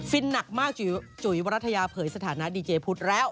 หนักมากจุ๋ยวรัฐยาเผยสถานะดีเจพุทธแล้ว